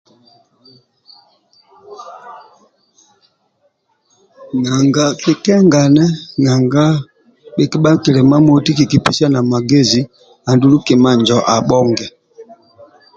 Nanga kikengane nanga bhikibha nikilimamoti kikipesiana magezi andulu kima injo abhonge.